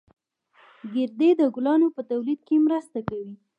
گردې د ګلانو په تولید کې مرسته کوي